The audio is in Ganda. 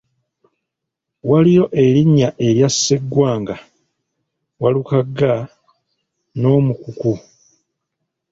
Waliyo erinnya erya sseggwanga, Walukagga n'omukukku.